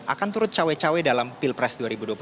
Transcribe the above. akan turut cawe cawe dalam pilpres dua ribu dua puluh empat